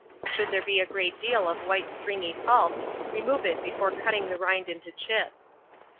Should there be a great deal of white stringy pulp, remove it before cutting the rind into chips.